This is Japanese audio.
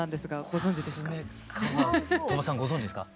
ご存じですか？